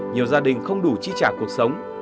nhiều gia đình không đủ chi trả cuộc sống